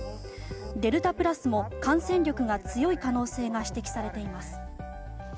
デルタプラスも感染力が強い可能性が指摘されています。